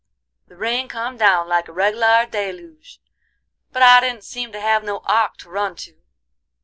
The rain come down like a reg'lar deluge, but I didn't seem to have no ark to run to.